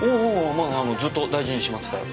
ずっと大事にしまってたよ。